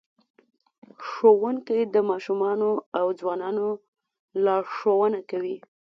ښوونکی د ماشومانو او ځوانانو لارښوونه کوي.